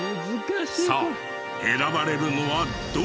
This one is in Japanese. さあ選ばれるのはどれだ？